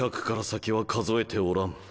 ２００から先は数えておらん。